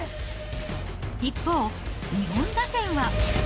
一方、日本打線は。